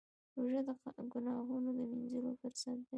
روژه د ګناهونو د مینځلو فرصت دی.